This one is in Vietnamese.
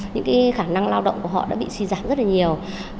những khả năng lao động của họ đã bị suy giảm rất nhiều